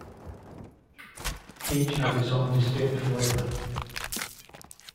Each had its own distinct flavor.